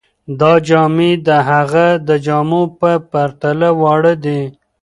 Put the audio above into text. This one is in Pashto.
دا جامې د هغه د جامو په پرتله واړه دي.